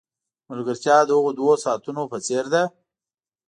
ملګرتیا د هغو دوو ساعتونو په څېر ده.